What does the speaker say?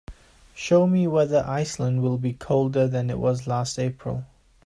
Show me whether Iceland will be colder than it was last april